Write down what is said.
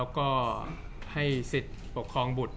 จากความไม่เข้าจันทร์ของผู้ใหญ่ของพ่อกับแม่